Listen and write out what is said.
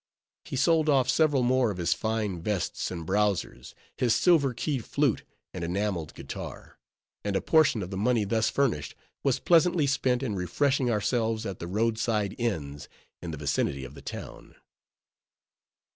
He sold off several more of his fine vests and browsers, his silver keyed flute and enameled guitar; and a portion of the money thus furnished was pleasantly spent in refreshing ourselves at the road side inns in the vicinity of the town.